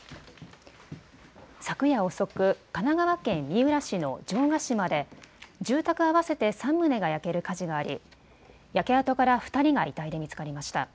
昨夜遅く神奈川県三浦市の城ヶ島で住宅合わせて３棟が焼ける火事があり焼け跡から２人が遺体で見つかりました。